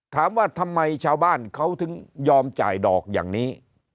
ถามว่าทำไมชาวบ้านเขาถึงยอมจ่ายดอกอย่างนี้